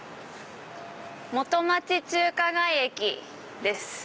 元町・中華街駅です。